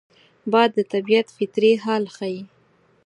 باد د طبیعت فطري حال ښيي